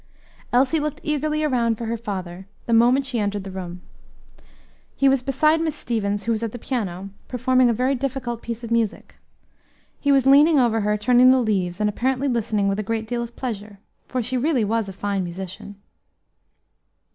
Elsie looked eagerly around for her father, the moment she entered the room. He was beside Miss Stevens, who was at the piano, performing a very difficult piece of music. He was leaning over her, turning the leaves, and apparently listening with a great deal of pleasure, for she was really a fine musician.